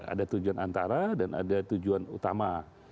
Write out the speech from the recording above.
ada tujuan antara dan ada tujuan utama